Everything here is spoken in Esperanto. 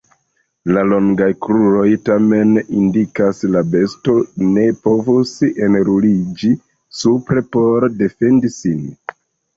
La longaj kruroj, tamen, indikas la besto ne povus enruliĝi supre por defendi sin.